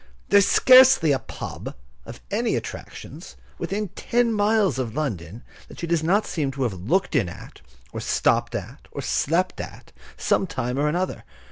There's scarcely a pub. of any attractions within ten miles of London that she does not seem to have looked in at, or stopped at, or slept at, some time or other.